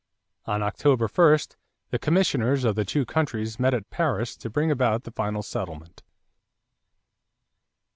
On October 1, the commissioners of the two countries met at Paris to bring about the final settlement.